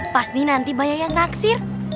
pasti nanti baya yang naksir